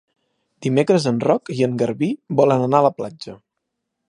Dimecres en Roc i en Garbí volen anar a la platja.